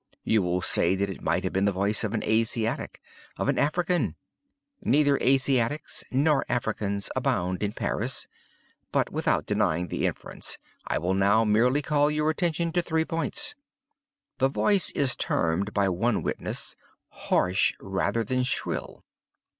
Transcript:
You will say that it might have been the voice of an Asiatic—of an African. Neither Asiatics nor Africans abound in Paris; but, without denying the inference, I will now merely call your attention to three points. The voice is termed by one witness 'harsh rather than shrill.